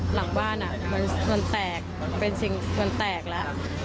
หลังบ้านมันแตกเป็นสิ่งมันแตกแล้ว